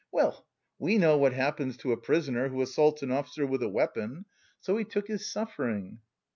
Well, we know what happens to a prisoner who assaults an officer with a weapon. So 'he took his suffering.